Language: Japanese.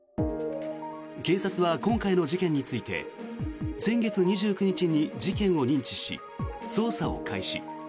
警察は今回の事件について先月２９日に事件を認知し捜査を開始。